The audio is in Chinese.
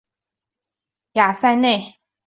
雅塞内。